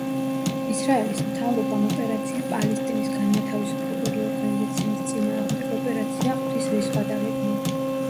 ისრაელის მთავრობამ ოპერაცია პალესტინის განმათავისუფლებელი ორგანიზაციის წინააღმდეგ ოპერაცია „ღვთის რისხვა“ დაგეგმა.